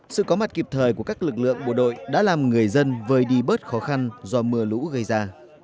sự có mặt kịp thời của các lực lượng bộ đội đã làm người dân vơi đi bớt khó khăn do mưa lũ gây ra